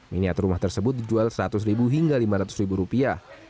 miniatur rumah tersebut dijual seratus ribu hingga lima ratus ribu rupiah